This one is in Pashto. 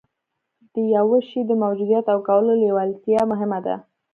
د يوه شي د موجوديت او کولو لېوالتيا مهمه ده.